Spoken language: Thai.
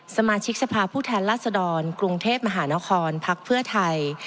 สมาชิกสภาพผู้แทนรัศดรกรุงเทพมหานครพักเพื่อไทย